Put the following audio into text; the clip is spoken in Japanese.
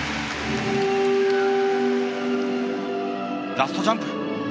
ラストジャンプ！